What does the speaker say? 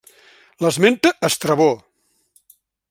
L'esmenta Estrabó.